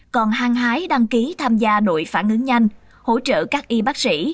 còn hàng hái đăng ký tham gia đội phản ứng nhanh hỗ trợ các y bác sĩ